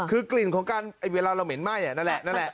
คือกลิ่นของการเวลาเราเหม็นไหม้นั่นแหละนั่นแหละ